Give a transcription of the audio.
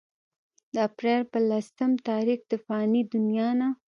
د اپريل پۀ لسم تاريخ د فاني دنيا نه